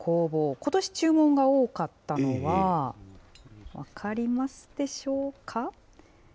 ことし注文が多かったのは、分かりますでしょうか。